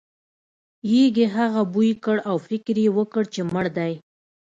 یږې هغه بوی کړ او فکر یې وکړ چې مړ دی.